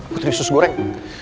putri sus goreng